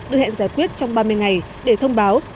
được hẹn giải quyết trong ba mươi ngày để thông báo